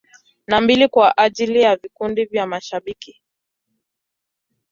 Na mbili kwa ajili ya vikundi vya mashabiki.